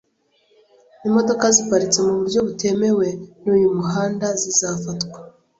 Imodoka ziparitse mu buryo butemewe n’uyu muhanda zizafatwa